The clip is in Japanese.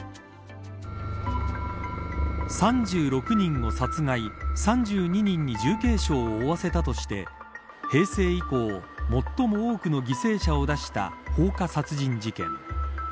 ３６人を殺害３２人に重軽傷を負わせたとして平成以降、最も多くの犠牲者を出した放火殺人事件。